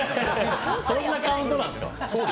そんなカウントなんですか。